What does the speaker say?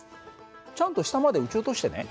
ちゃんと下まで撃ち落としてね。